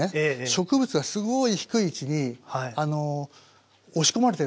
植物がすごい低い位置に押し込まれてるんですよ。